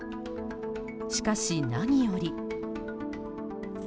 しかし、何より。